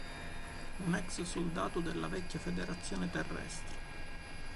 Un ex-soldato della vecchia Federazione Terrestre.